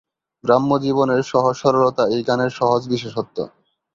গ্রাম্য জীবনের সহজ সরলতা এই গানের সহজ বিশেষত্ব।